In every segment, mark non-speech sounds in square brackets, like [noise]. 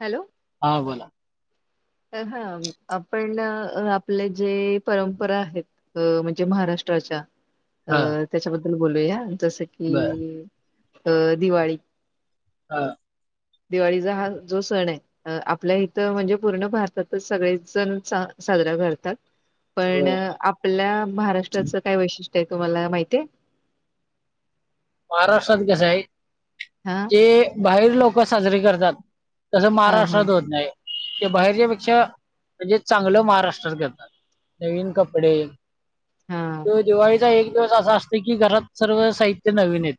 Hello! हा बोला. त हं आपण आपले जे परंपरा आहेत. अ म्हणजे महाराष्ट्राच्या. हा अं त्याच्याबद्दल बोलूया, जसं की बर अ दिवाळी. हा! दिवाळीचा हा जो सण आहे, अ आपल्या इथं म्हणजे पूर्ण भारतातच सगळेच जण सा-साजरा करतात, पण होय आप पल्या महाराष्ट्राचं काय वैशिष्ट्य आहे तुम्हाला माहिती आहे? महाराष्ट्रात कस आहे. हा! ते बाहेर लोकं साजरे करतात, तसं हा हा महाराष्ट्रात होत नाही. ते बाहेरच्या पेक्षा म्हणजे चांगलं महाराष्ट्रात करतात, नवीन कपडे. हा तो दिवाळीचा एक दिवस असा असतो की घरात सर्व साहित्य नवीन ये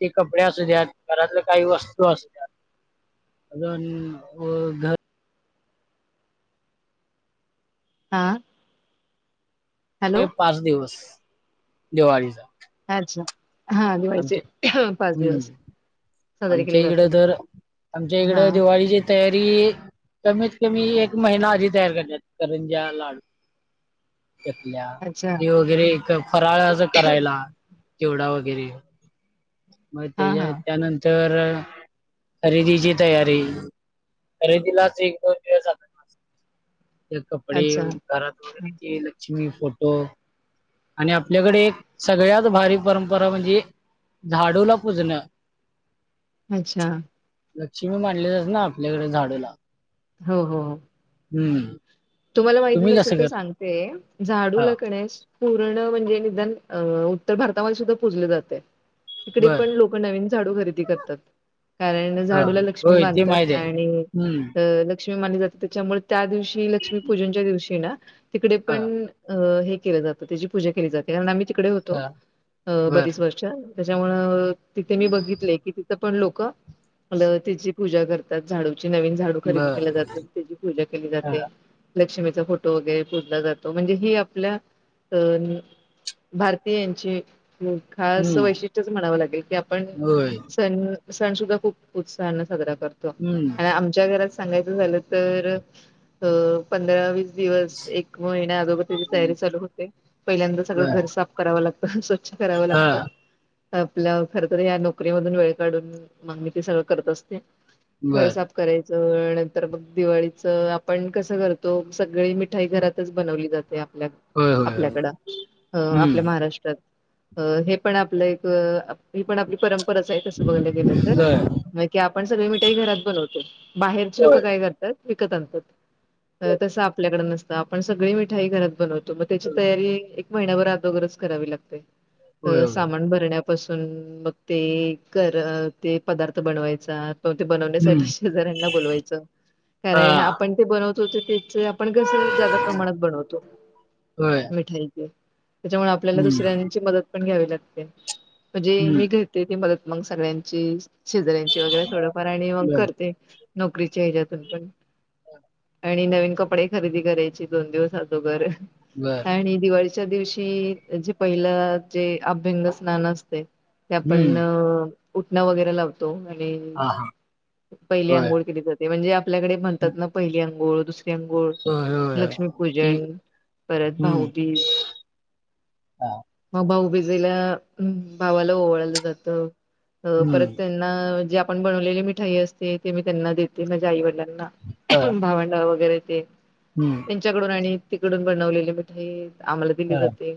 ते कपडे असू द्यात, घरातलं काही वस्तू असू द्यात. [unintelligible] हा! ते हॅलो पाच दिवस दिवाळीचा. अच्छा, हा दिवाळीचे आमचे पाच हम्म दिवस. साजरे केले आमच्या इकड जातात तर, आमच्या इकड हा दिवाळीचे. तयारी कमीत, कमी एक महिना आधी तयार करणत्यात करंज्या लाडू. [inaudible] चकल्या अच्छा हे वगैरे एक फराळाच करायला, चिवडा वगैरे. मग हा त्याच्या हा त्यानंत तर खरेदीची तयारी, खरेदीलाच एक दोन दिवस जाता. ते कपडे अच्छा घरात वगैरे ते लक्ष्मी फोटो आणि आपल्याकडे सगळ्यात भारी परंपरा म्हणजे झाडूला पुजणं. अच्छा लक्ष्मी मानली जाते ना आपल्याकडे झाडू ला हो हो हो हम्म तुम्हाला माहिती तुम्ही कसं नसेल तर कर सांगते झाडू हा ला क नई पूर्ण म्हणजे निदान उत्तर भारतामध्ये सुद्धा पूजले जाते. तीकडे बर पण लोक नवीन झाडू खरेदी करतात. कारण हा झाडूला लक्ष्मी होय ते मानतात माहित आहे. आणि हम्म अ लक्ष्मी मानली जाते तीच्यामुळे त्या दिवशी लक्ष्मीपूजनच्या दिवशी ना तिकडे हा पण अ हे केलं जातं त्याची पूजा केली जाते कारण आम्ही तिकडे होतो हा अ बर बरीच वर्ष. त्याच्यामुळ तिथे मी बघितलयं की तिथ पण लोक म्हणलं तीची पूजा करतात झाडूची नवीन झाडू खरेदी बर केल जात त्याची पूजा केली हा जाते. लक्ष्मीचा फोटो वगैरे पुजला जातो म्हणजे हे आपल्या अं भारतीयांची खास हम्म वैशिष्ट्यच म्हणावं लागेल की आपण होय सण सण सुद्धा खूप उत्साहने साजरा करतो हम्म आणि आमच्या घरात सांगायचं झालं तर अ पंधरा वीस दिवस एक महिन्या अगोदर त्याची तयारी चालू होते पहिल्यांदा सगळं बर घर साप करावं लागत स्वच्छ करावं हा लागतं. आपल्या खरंतर या नोकरी मधून वेळ काढून मम्मी ते सगळं करत असते घर बर साफ करायचं नंतर मग दिवाळीचं आपण कसं कर तो सगळी मिठाई घरातच बनवली जाते आपल्या होय होय होय आपल्याकडं अ आपल्या हम्म महाराष्ट्रात. अ हे पण आपलं एक हे पण आपली परंपराच आहे तसं बघायला गेलं तर बर की आपण सगळी मिठाई घरात बनवतो. बाहेरची लोक होय काय करतात विकत आणतात. होय तसं आपल्याकड नसतं आपण सगळी मिठाई घरात बनवतो मग त्याची तयारी महिनाभर अदोगरच करावी लागते होय अ होय सामान भरण्या पासून मग ते कर ते पदार्थ बनवायचा. ते बनवण्यासाठी हम्म शेजऱ्यांना बोलवायचं हा कारण आपण ते बनवतो त्याच आपण कस ज्यादा प्रमाणात बनवतो होय मिठाई ती त्याच्यामुळ आपल्याला हम्म दुसऱ्यांची मदत पण घ्यावी लागते म्हणजे हम्म मी घ घेते मदत मग सगळ्यांची शेजऱ्यांची वगैरे थोडफार आणि मग बर करते. नोकरीच्या हेच्यातून पण आणि नवीन कपडे खरेदी करायची दोन दिवस अगोदर बर आणि दिवाळीच्या दिवशी जे पहिलं जे अभ्यंग स्नान असतय. ते आपण हम्म उटणा वगैरे लावतो आणि हा हा पहिली होय आंघोळ केली जाते. ते म्हणजे आपल्याकडे म्हणतात हं. ना पहिली अंघोळ दुसरी अंघोळ होय होय होय ती लक्ष्मीपूजन परत हम्म भाऊबीज हा म भाऊबीजेला भावाला ओवळलं जात. परत हम्म त्यांना जे आपण बनवलेली मिठाई असते ते मी त्यांना देते माझ्या आईवडिलांना हा भावंडां वगैरे ते हम्म. च्याकडून आणि तिकडून बनवलेली मिठाई आम्हाला दिली हा जाते.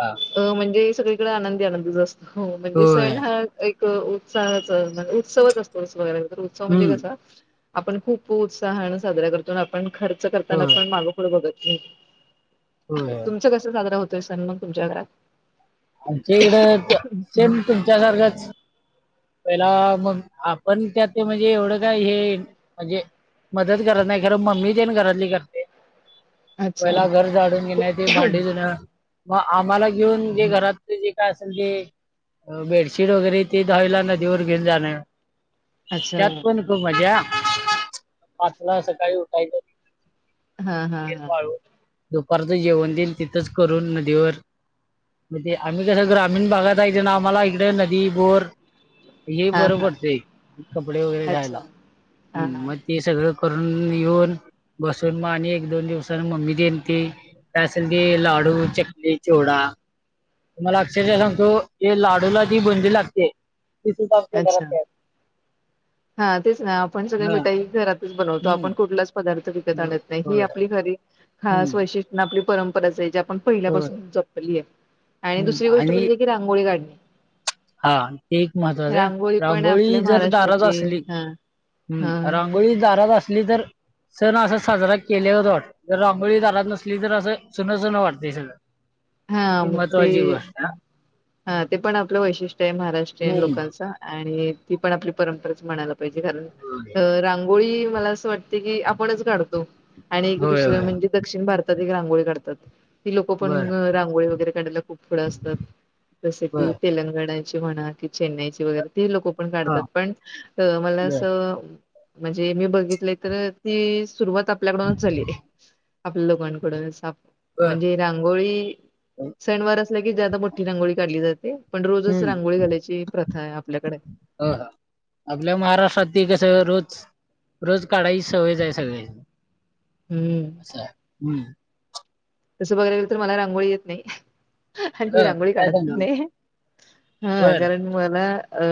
हा अ म्हणजे सगळीकडे आनंदी आनंदीच असतो, म्हणजे होय सण हा एक उत्साहाचा अ उत्सवच असतो वगैर, तर उत्सव म्हणजे हम्म कसा आपण खूप उत्साहानं साजरा करतो, आन आपण खर्च करताना होय पण मागं पुढं बघत नाही. होय होय. तुमचं कसं साजरा होतोय सण मग तुमच्या घरात? आमच्या इकडं त सेम तुमच्यासारखाच. पहिला मग आपण त्यात म्हणजे एवढं काय हे म्हणजे मदत करत नाही खरं, मम्मी तेन घरातली करते. अच्छा पहिला घर झाडून घेणे ते भांडी धुनं, मग आम्हाला घेऊन जे घरात जे काय असल ते, बेडशीट वगैरे ते धुवायला नदीवर घेऊन जाणार. अच्छा त्यात पण खूप मजा, पाचला सकाळी उठायचं. [unintelligible] हा हा ते हा वाळू दुपारचं जेवण तेन तिथंच करून नदीवर, म्हणजे आम्ही कसं ग्रामीण भागात आहेत ना आम्हाला इकडे नदी, बोर हे हा बरं हा पडतंय कपडे वगैरे अच्छा धुवायला, हा हम्म हा म ते सगळं करून येऊन, बसून मग आणि एक दोन दिवसानं मम्मी देन ते काय असल ते लाडू, चकली, चिवडा. तुम्हाला अक्षरशः सांगतो जे लाडूला जी बुंदी लागते, ती सुद्धा आमच्या घरात अच्छा तयार हा तेच ना, आपण सगळे हा मिठाई घरातच बनवतो, हम्म आपण कुठलाच पदार् त विकत होय आणत नाही, ही होय. आपली खरी खास हम्म वैशिष्ट्य अन आपली परंपराच ए जे आपण होय पहिल्यापासून जपली आहे, आणि हम्म दुसरी गोष्ट आणि म्हणजे की रांगोळी काढणे. हा ते एक महत्वाचं आहे, रांगोळी पण रांगोळी आपल्या जर दारात महाराष्ट्राची असली, हा हा हम्म रांग गोळी दारात असली तर, सण असा साजरा केल्यागत वाट जर रांघोळी दारात नसली तर, असं सण सुनसुन वाटतंय सगळं. हा ही मग महत्त्वाची ते, गोष्ट हा. हा ते पण आपलं वैशिष्ट्य आहे महाराष्ट्रीयन हम्म लोकांचं. आणि ती पण आपली परंपराच म्हणायला पाहिजे, कारण होय. अ रांगोळी मला अस वाटते की आपणच काढतो, आणि एक होय, दुसरं होय. म्हणजे दक्षिण भारतात एक रांगोळी काढतात. ती लोकं पण बरं, रांगोळी वगैरे काढायला खूप पुढे असतात, जसं की बरं. तेलंगणा ची म्हणा की चेन्नईची वगैरे ते लोकं पण काढतात, हां. पण मला बरं, असं अ म्हणजे मी बघितले तर ती सुरुवात आपल्या कडूनच झालीय. आपल्या लोकांकडून सा बरं. म्हणजे रांगोळी [unintelligible] सणवार असलं की ज्यादा मोठी रांगोळी काढली जाते, पण रोजच रांगोळी घालायची प्रथा आहे आपल्याकडे. हा हा, आपल्या महाराष्ट्रात ती कसं रोज रोज काढायची सवयच आहे सगळ्यास्नी. हम्म. चा हम्म. तसं बघायला गेलं तर मला रांगोळी येत नाही. आणि मी बरं. रांगोळी काय काढत पण सांगाल? नाही, हा बरं, कारण मला अ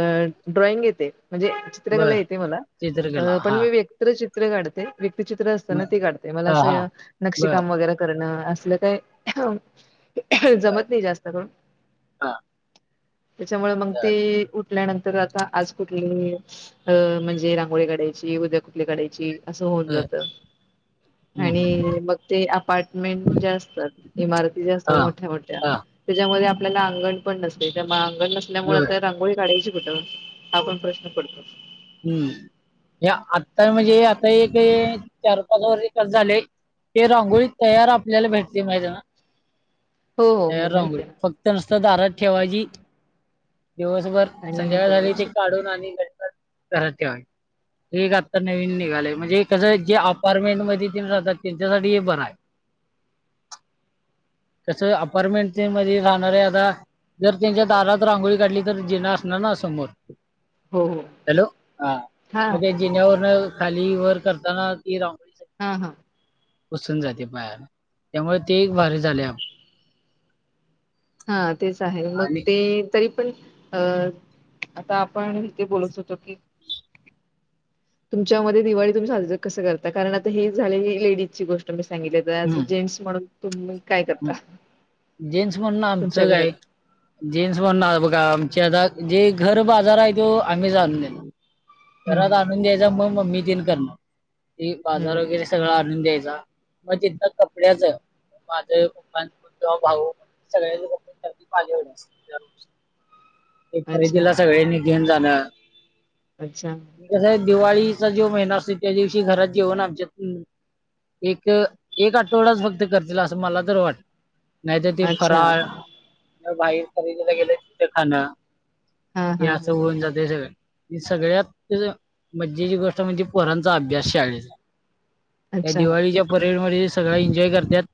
ड्रॉंइंग येते, म्हणजे चित्रकला बरं. येते मला चित्रकला. अ पण हां. मी व त्र चित्र काढते, व्यक्तिचित्र असतं ना मग ते काढते, मला हां, हां. असं बरं, नक्षीकाम वगैरे करणं‌ अ असलं काही बरं. जमत नाही जास्त करून. हां, त्याच्यामुळं मग बरं, ती उठल्यानंतर आता आज कुठली अ म्हणजे रांगोळी काढायची उद्या कुठली काढायची? असं होत बरं. जात हं, हं. आणि मग ते अपार्टमेंट ज्या असतात इमारती ज्या असतात हां, मोठ्या- मोठ्या हां. त्याच्यामध्ये आपल्याला अंगण पण नसते त्या अंगण नसल्यामुळे बरं. आता रांगोळी काढायची कुठं? हा पण प्रश्न पडतो. हम्म, हे आता म्हणजे आता एक हे चार पाच वर्ष कसे झाले. ते रांगोळी तयार आपल्याला भेटती माहितीय नव्ह. हो हो तयार माहिती रांगोळी आहे फक्त नुसत दारात ठेवायची दिवसभर ना आणि संध्याकाळ झाली की बनवायची काढून आणि घरात परत ठेवायची हे एक आताच नविन निघालय म्हणजे कसं जे अपार्टमेंट मध्ये रहातात त्यांच्यासाठी हे बरं हाय. [inaudible] कस अपार्टमेंटच्या मध्ये राहणारे आता जर त्यांच्या दारात रांगोळी काढली तर जिना असणार ना समोर? हो! हॅलो हा, हा म्हणजे जिन्यावरन खाली वर करताना ती रांगो हा हा! पुसून जाते पायान त्यामुळे ते एक भारी झाले हा तेच आहे मग आणि ते तरी पण अ आता आपण इथे बोलत होतो की तुमच्या वरी दिवाळी तुम्ही साजर कसं करता? कारण आता हे झाले लेडीजची गोष्ट मी सांगितली जी हम्म जेंट्स म्हणून तुम्ही काय कर हम्म जेन्टस म्हणून तुमच्या आमचं घरात? काय? जेन्स म्हणणार बघा, आमचे आता जे घर बाजार आहे तो आम्हीच आणून देणार. हं, घरात आणून द्यायचा मग. मम्मी तेन करणार ती बाजार हं. वगैरे स सगळं आणून द्यायचा मग तिथंन कपड्याच माझे, पप्पा किंवा भाऊ, सगळ्याचीं कपडे माझ्या कडच मी अच्छा, खरेदीला सगळ्यांनी घेऊन जाणार अच्छा! कसं हाय दिवाळीचा जो महिना असतोय त्या दिवशी घरात जेवण आमच्यात एक -एक आठवडाच फक्त करतील असं मला तर वाटत नाही तर ते अच्छा. फराळ. बाहेर खरेदीला गेल तिथ खाणं हां, हे हां, असं हां. होऊन जातय सगळ आणि सगळयांत जसं मज्जेची गोष्ट म्हणजे पोरांचा अभ्यास शाळेचा या अच्छा. दिवाळीच्या परेड मध्ये सगळ एन्जॉय करत्यात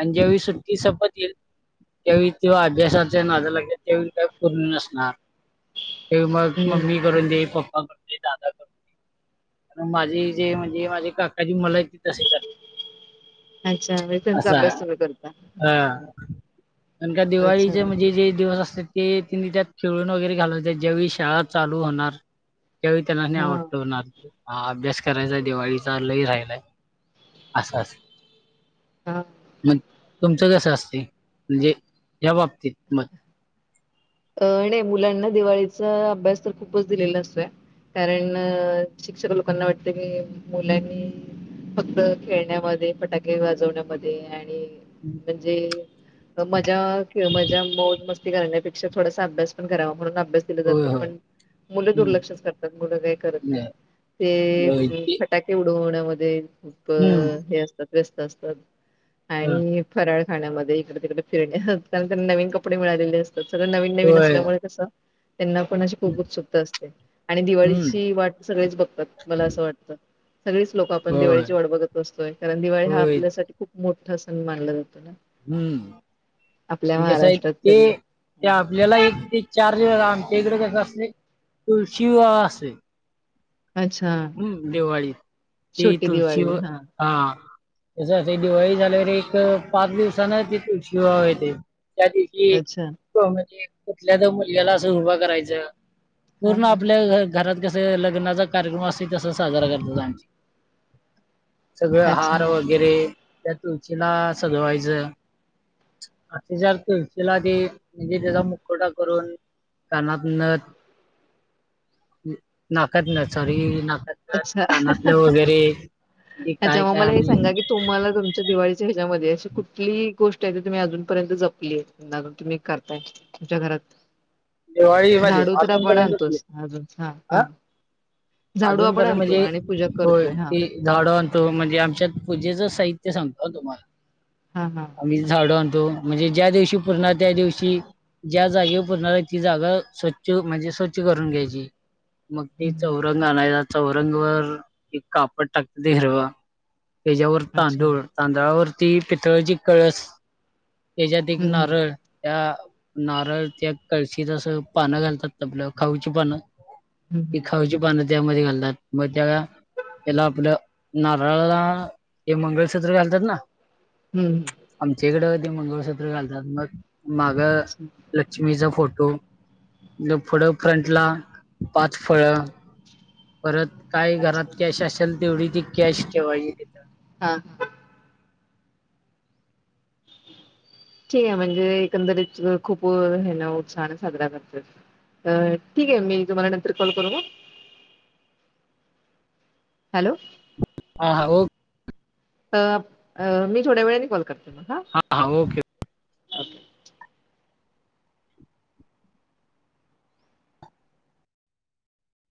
आणि ज्यावेळी सुट्टी संपत येईल त्यावेळी तो अभ्यासाच्या नादा लागेल त्यावेळी काही पूर्ण नसणार त्यावेळी मग हं. मम्मी करून दे पप्पा करुन दे ये दादा कर, माझी जी म्हणजे माझी काकाची मुला आहे ती तशी कर अच्छा, म्हणजे त्यांचा अभ्यास तुम्ही करता? आ अन का अच्छा. दिवाळीचे म्हणजे जे दिवस असत्यात ते तिन्ही त्यात खेळून वगैरे घालवत्यात ज्यावेळी शाळा चालू होणार त्यावेळी त्यन्सनी हां, आठवणार, अभ्यास करायचाय दिवाळीचा लय राहीलाय असं असं हां. म तुमचं कसं असते म्हणजे या बाबतीत मत अ नाही मुलांना दिवाळीचा अभ्यास तर खूपच दिलेला असतोय कारण मत शिक्षक लोकांना वाटते की मुलांनी फक्त खेळण्यामध्ये फटाके वाजवण्यामध्ये आणि हम्म म्हणजे मजा खेळ, मजा, मोज मस्ती करण्यापेक्षा थोडासा अभ्यास पण करावा म्हणून अभ्यास केला होय, जातो, होय. पण मुल हं. दुर्लक्ष करतात मुलं काही करत नाही ते होय फ ते फटाके उडवण्यामध्ये खूप हं. हे असतात व्यस्त असतात अ, आणि फराळ खाण्यामध्ये इकडे -तिकडे फिरणे अस त्यां नवीन कपडे मिळालेले असतात. सगळ नविन नविन होय. असल्यामुळे कसं? त्यांना पण अशी हं. खूप उत्सुकता असते आणि हं. दिवाळीची वाट सगळेच बघतात, असं मला वाटतंय. सगळीच लोक आपण होय. दिवाळीची वाट बघत बसतोय, कारण दिवाळी हा होय. आपल्यासाठी खूप मोठा सण मानला जातो ना. हम्म, आपल्या मी कस आहे महाराष्ट्रात ते तरी ते आपल्याला एक ते चार आमच्या इकडे कस असते तुळशी असते. अच्छा हम्म दिवाळीत, ते छोटी दिवाळी तुळशीवर हा. कसं असतय, दिवाळी झाल्यावर एक पाच दिवसान ते तुळशी विवाह येतंय त्या दिव शी अच्छा एक म्हणजे कुठल्या तर मुलग्याला असं उभा करायचं हा पूर्ण हा आपल्या घ घरात कस लग्नाचा कार्यक्रम असत तो, तस साजरा करतात आमच्या सगळ अच्छा हार वगैरे त्या तुळशीला सजवायचं. असे चार तुळशीला ते म्हणजे, त्याचा मुकोटा करून कानात नथ, नाकात नथ सॉरी ना अच्छा, ते काय अच्छा मग काय मला हे आम्ही सांगा की, तुम्हाला तुमच्या दिवाळीच्या ह्याच्यामध्ये अशी कुठलीही गोष्ट आहे, ती तुम्ही अजूनपर्यंत जपली आहे? [unintelligible] तुम्ही करताय तुमच्या घरात दिवाळीमध्ये झाडूत पण अजूनपर्यंत आणतोच अजून, हा हा-हा झाडू आपण आणतो आणि पूजा करतोय हा. झाडु आणतो, म्हणजे आमच्यात पूजेचं साहित्य सांगतो हा तुम्हाला हा हा आम्ही झाडु आणतो, म्हणजे ज्या दिवशी पुजणार त्या दिवशी, ज्या जागेवर पुजणार ती जागा स्वच्छ म्हणजे स्वच्छ करून घ्यायची, मग ती हम्म चौरंग आणय चौरंग वर एक कापड टाकतो ते हिरवा, त्याच्यावर अच्छा तांदूळ तांदळावरती पितळ्याची कळस, त्याच्यात एक हम्म हम्म नारळ, त्या नारळ त्या कळशीत अस पानं घालतात आपलं खाऊची पानं हम्म की हम्म खाऊची पानं त्यामध्ये घालतात मग त्या ला आपलं नारळाला हे मंगळसुत्र घालतात ना हम्म. आमच्याकडे ते मंगळसूत्र घालतात, मग माग अच्छा लक्ष्मीचा फो फोटो म्हणजे फळं फ्रंटला पाच फळं परत काय घरात अच्छा कॅश असेल तेवढी ती कॅश ठेवायची. तिथं हा. ठीक आहे, म्हणजे एकंदरीत खूप हे ना उत्साहान साजरा करता. अ ठीक आहे, मी तुम्हाला नंतर कॉल करू मग? हॅलो हा हा ओ त अ मी थोड्या वेळानी कॉल करते मग हा. हा-हा ओके.